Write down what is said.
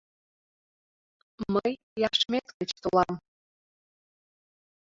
Мый Яшмет гыч толам...